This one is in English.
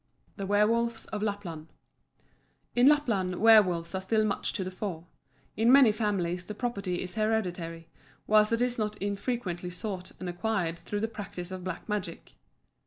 THE WERWOLVES OF LAPLAND In Lapland werwolves are still much to the fore. In many families the property is hereditary, whilst it is not infrequently sought and acquired through the practice of Black Magic.